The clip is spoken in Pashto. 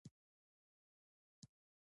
هغه د لمحه په بڼه د مینې سمبول جوړ کړ.